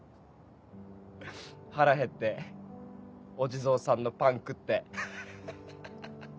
腹へってお地蔵さんのパン食ってハハハ。